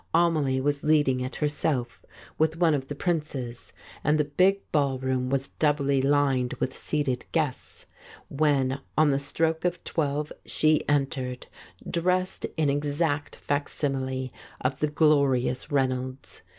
Amelie was leading it herself with one of the Princes, *39 The False Step and the big ballroom was doubly lined with seated guests, when on the stroke of twelve she entered, dressed in exact facsimile of the glorious Reynolds.